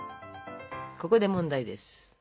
ここで問題です。